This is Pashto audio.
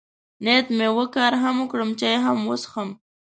نیت مې و، کار هم وکړم، چای هم وڅښم.